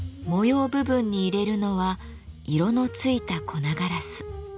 部分に入れるのは色のついた粉ガラス。